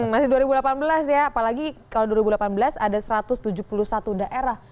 masih dua ribu delapan belas ya apalagi kalau dua ribu delapan belas ada satu ratus tujuh puluh satu daerah